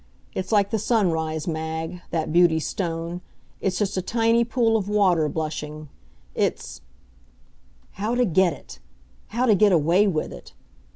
It's like the sunrise, Mag, that beauty stone. It's just a tiny pool of water blushing. It's How to get it! How to get away with it!